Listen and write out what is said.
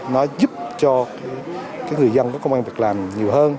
nó giúp cho người dân có công an việc làm nhiều hơn